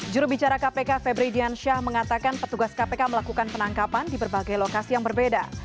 jurubicara kpk febri diansyah mengatakan petugas kpk melakukan penangkapan di berbagai lokasi yang berbeda